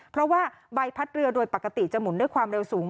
เพราะว่าใบพัดเรือโดยปกติจะหมุนด้วยความเร็วสูง